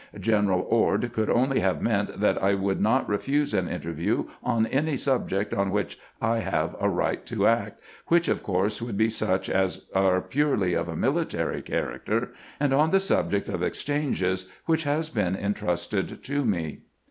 General Ord could only have meant that I would not refuse an interview on any subject on which I have a right to act, which, of course, would be such as are purely of a military character, and on the subject of exchanges, which has been intrusted to me."